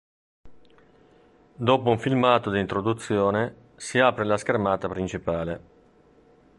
Dopo un filmato di introduzione, si apre la schermata principale.